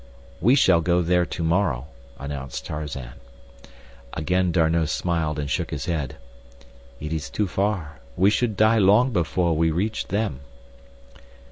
"We shall go there to morrow," announced Tarzan. Again D'Arnot smiled and shook his head. "It is too far. We should die long before we reached them."